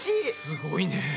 すごいね！